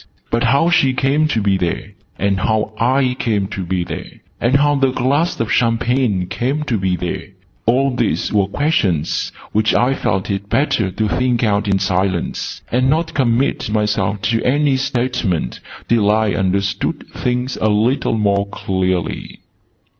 But how she came to be there and how I came to be there and how the glass of champagne came to be there all these were questions which I felt it better to think out in silence, and not commit myself to any statement till I understood things a little more clearly.